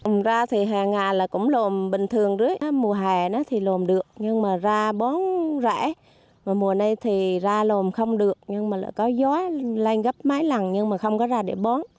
nhưng mà rau bán rẽ mà mùa này thì rau lồm không được nhưng mà lại có gió lanh gấp mái lẳng nhưng mà không có rau để bán